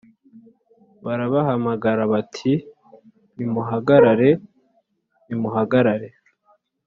Barabahamagara bati “Nimuhagarare, nimuhagarare.”